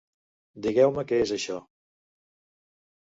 Digueu-me què és això.